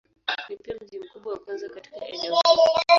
Ni pia mji mkubwa wa kwanza katika eneo huu.